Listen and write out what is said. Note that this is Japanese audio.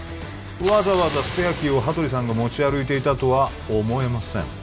わざわざスペアキーを羽鳥さんが持ち歩いていたとは思えません